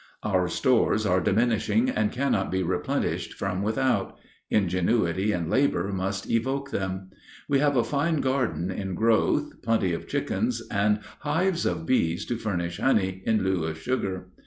Our stores are diminishing and cannot be replenished from without; ingenuity and labor must evoke them. We have a fine garden in growth, plenty of chickens, and hives of bees to furnish honey in lieu of sugar.